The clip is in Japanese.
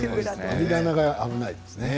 網棚が危ないですね。